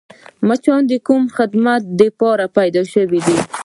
مچان د کوم خدمت دپاره پیدا شوي دي؟